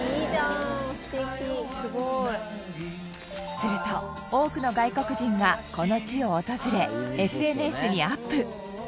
すると多くの外国人がこの地を訪れＳＮＳにアップ。